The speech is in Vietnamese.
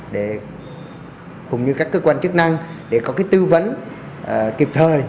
để cùng như các cơ quan chức năng để có cái tư vấn kịp thời